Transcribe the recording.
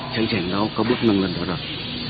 chẳng chẳng có bước nâng lên bắt đầu